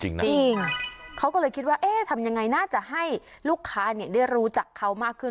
จริงเขาก็เลยคิดว่าเอ๊ะทำยังไงน่าจะให้ลูกค้าได้รู้จักเขามากขึ้น